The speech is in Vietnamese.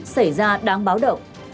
xảy ra đáng báo động